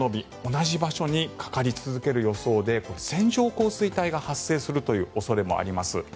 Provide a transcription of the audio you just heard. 同じ場所にかかり続ける予想で線状降水帯が発生するという恐れもあります。